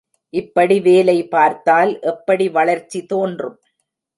இப்படி வேலை பார்த்தால் எப்படி வளர்ச்சி தோன்றும்.